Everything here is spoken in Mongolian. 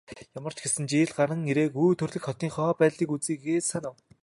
Ямар ч гэсэн жил гаран ирээгүй төрөлх хотынхоо байдлыг үзье гэж санав.